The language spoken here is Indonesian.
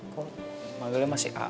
kok manggelnya masih aa